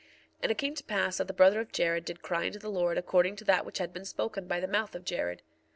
1:39 And it came to pass that the brother of Jared did cry unto the Lord according to that which had been spoken by the mouth of Jared.